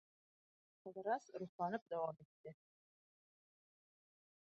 Ҡыҙырас рухланып дауам итте.